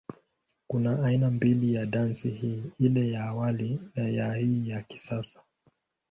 Kuna aina mbili ya dansi hii, ile ya awali na ya hii ya kisasa.